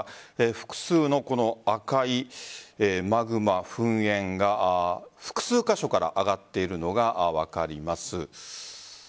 複数の赤いマグマ噴煙が複数箇所から上がっているのが分かります。